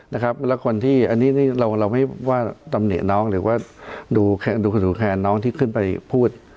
อันที่เราไม่ตำเนะน้องหรือดูแค่น้องที่พูด